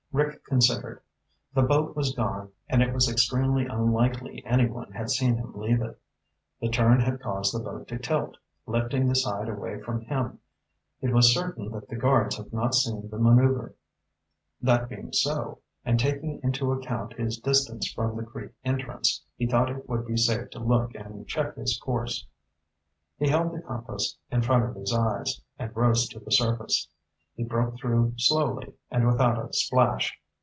Rick considered. The boat was gone, and it was extremely unlikely anyone had seen him leave it. The turn had caused the boat to tilt, lifting the side away from him. He was certain that the guards had not seen the maneuver. That being so, and taking into account his distance from the creek entrance, he thought it would be safe to look and check his course. He held the compass in front of his eyes, and rose to the surface. He broke through slowly and without a splash.